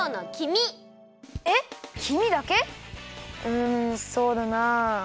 うんそうだな。